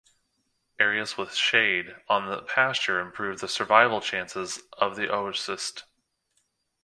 Areas with shade on the pasture improve the survival chances of the oocyst.